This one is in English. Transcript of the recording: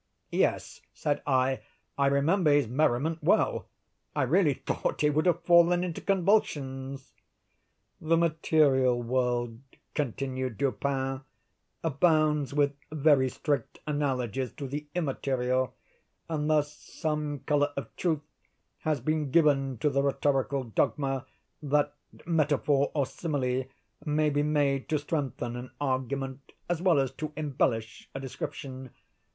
"Yes," said I, "I remember his merriment well. I really thought he would have fallen into convulsions." "The material world," continued Dupin, "abounds with very strict analogies to the immaterial; and thus some color of truth has been given to the rhetorical dogma, that metaphor, or simile, may be made to strengthen an argument, as well as to embellish a description.